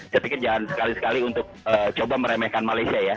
saya pikir jangan sekali sekali untuk coba meremehkan malaysia ya